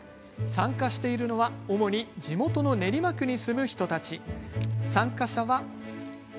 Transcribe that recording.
参加しているのは、主に地元の練馬区に住む人たち。